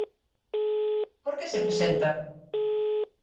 Por que se presenta?